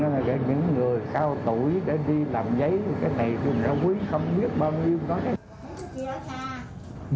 những người cao tuổi để đi làm giấy cái này mình ra quý không biết bao nhiêu người nói